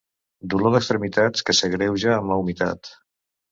Dolor d'extremitats que s'agreuja amb la humitat.